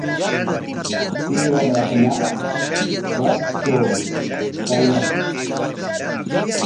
Kay wamrakunaqa wakcham kayan.